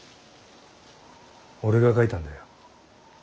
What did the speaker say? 俺が書いたんだよ。